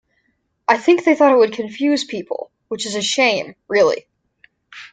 I think they thought it would confuse people, which is a shame, really.